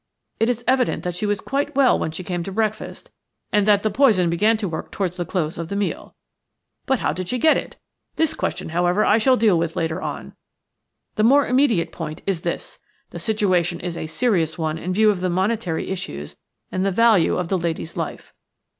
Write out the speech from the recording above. It is evident that she was quite well when she came to breakfast, and that the poison began to work towards the close of the meal. But how did she get it? This question, however, I shall deal with later on. The more immediate point is this. The situation is a serious one in view of the monetary issues and the value of the lady's life.